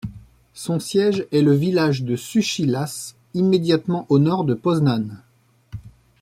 Son siège est le village de Suchy Las, immédiatement au nord de Poznań.